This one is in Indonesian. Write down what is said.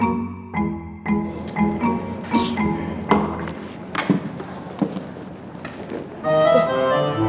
wah gue ada coklat di tas gue